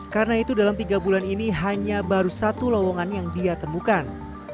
karena itu dalam tiga bulan ini hanya baru satu lowongan yang dia temukan